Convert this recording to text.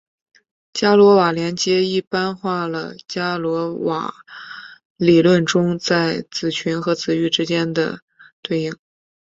伽罗瓦连接一般化了伽罗瓦理论中在子群和子域之间的对应。